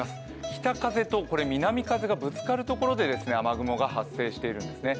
北風と南風がぶつかるところで雨雲が発生しているんですね。